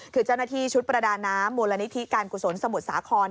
คือเจ้าหน้าที่ชุดประดาน้ำมูลนิธิการกุศลสมุทรสาคร